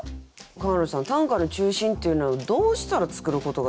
川野さん「短歌の中心」っていうのはどうしたら創ることができるんですかね。